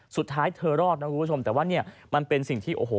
สุดท้ายเธอรอดนะคุณผู้ชมแต่ว่าเนี่ยมันเป็นสิ่งที่โอ้โห